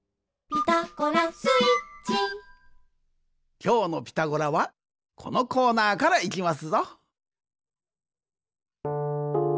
きょうの「ピタゴラ」はこのコーナーからいきますぞ。